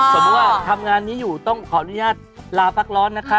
สมมุติว่าทำงานนี้อยู่ต้องขออนุญาตลาพักร้อนนะคะ